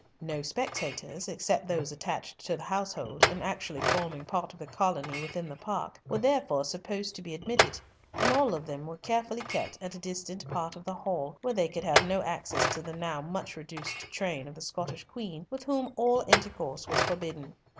No spectators, except those attached to the household, and actually forming part of the colony within the park, were therefore supposed to be admitted, and all of them were carefully kept at a distant part of the hall, where they could have no access to the now much reduced train of the Scottish Queen, with whom all intercourse was forbidden.